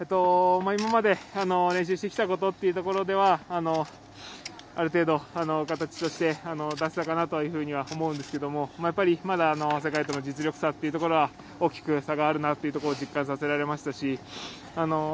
今まで練習してきたことということではある程度、形として出せたかなというふうには思うんですけれどもやっぱり、まだ世界との実力差というのは大きく差があるなというところを実感させられましたし。